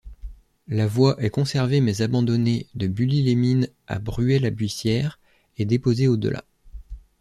La voie est conservée mais abandonnée de Bully-les-Mines à Bruay-la-Buissière et déposée au-delà.